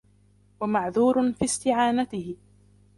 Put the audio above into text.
وَمَعْذُورٌ فِي اسْتِعَانَتِهِ